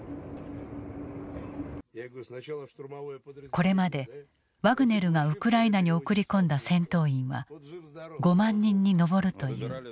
これまでワグネルがウクライナに送り込んだ戦闘員は５万人に上るという。